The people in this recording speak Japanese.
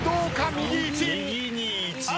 右１。